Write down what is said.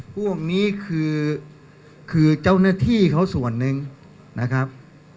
พวกนี้คือเจ้าหน้าที่เขาส่วนหนึ่งนะครับ